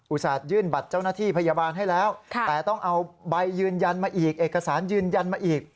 สตยื่นบัตรเจ้าหน้าที่พยาบาลให้แล้วแต่ต้องเอาใบยืนยันมาอีกเอกสารยืนยันมาอีก